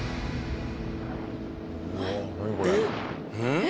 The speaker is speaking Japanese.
ん？